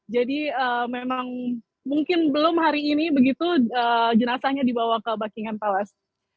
jadi memang mungkin belum hari ini begitu jenazahnya dibawa ke buckingham palace